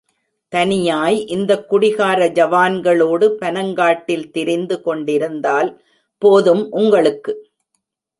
தனியாய் இந்தக் குடிகார ஜவான்களோடு பனங்காட்டில் திரிந்து கொண்டிருந்தால் போதும் உங்களுக்கு!